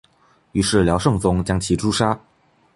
于是辽圣宗将其诛杀。